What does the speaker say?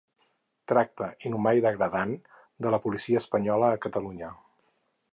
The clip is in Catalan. Tracte inhumà i degradant de la policia espanyola a Catalunya